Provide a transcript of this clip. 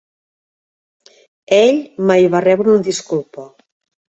Ell mai va rebre una disculpa.